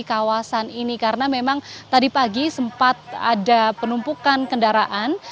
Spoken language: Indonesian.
kawasan ini karena memang tadi pagi sempat ada penumpukan kendaraan